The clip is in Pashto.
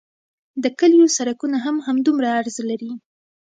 د کلیو سرکونه هم همدومره عرض لري